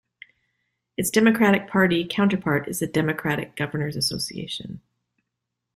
Its Democratic Party counterpart is the Democratic Governors Association.